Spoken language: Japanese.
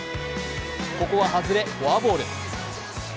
ここは外れ、フォアボール。